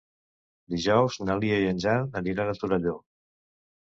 Dijous na Lia i en Jan aniran a Torelló.